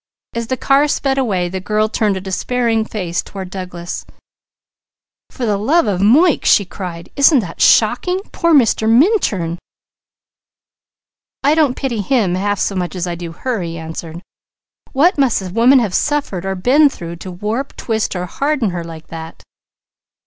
As the car sped away the girl turned a despairing face toward Douglas: "For the love of Moike!" she cried. "Isn't that shocking? Poor Mr. Minturn!" "I don't pity him half so much as I do her," he answered. "What must a woman have suffered or been through, to warp, twist, and harden her like that?"